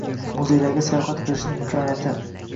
Muzeylarga sayohat qilishning imkoniyating